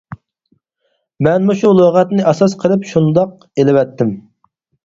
مەنمۇ شۇ لۇغەتنى ئاساس قىلىپ شۇنداق ئېلىۋەتتىم.